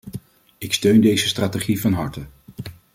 Ik steun deze strategie van harte.